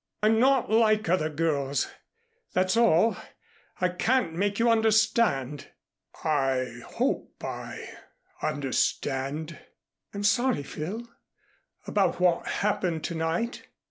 I'm not like other girls that's all. I can't make you understand." "I hope I understand " "I'm sorry, Phil, about what happened to night."